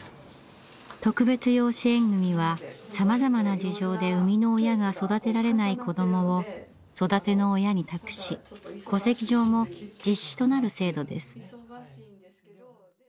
特別養子縁組はさまざまな事情で生みの親が育てられない子どもを育ての親に託し戸籍上も実子となる制度です。